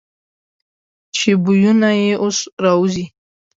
چې بویونه یې اوس را وځي.